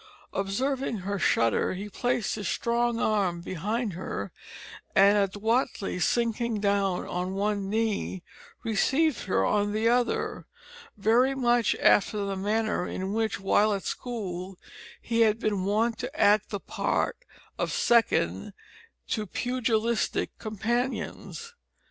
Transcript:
Observing her shudder, he placed his strong arm behind her, and adroitly sinking down on one knee received her on the other, very much after the manner in which, while at school, he had been wont to act the part of second to pugilistic companions.